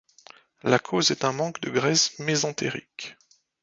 La cause est un manque de graisse mésentérique.